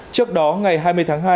trước đó ngày hai mươi tháng hai